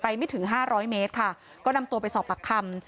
ไปไม่ถึง๕๐๐เมตรค่ะก็นำตัวไปสอบปักคำ